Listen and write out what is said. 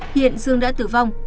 hiện dương đã tử vong